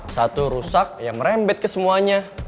satu rusak ya merembet ke semuanya